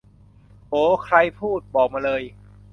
โห ใครพูด บอกมาเลย